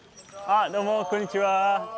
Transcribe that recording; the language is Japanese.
あっどうもこんにちは。